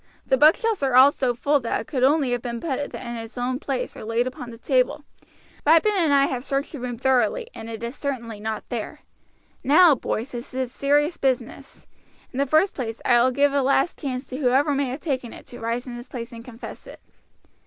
The bookshelves are all so full that it could only have been put in its own place or laid upon the table. Ripon and I have searched the room thoroughly and it is certainly not there. Now, boys, this is a serious business. In the first place, I will give a last chance to whoever may have taken it to rise in his place and confess it."